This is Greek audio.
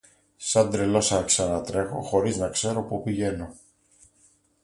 Σαν τρελός άρχισα να τρέχω, χωρίς να ξέρω πού πηγαίνω